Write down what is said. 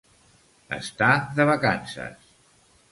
Està de vacances.